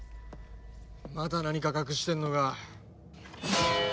まだ何か隠してんのか。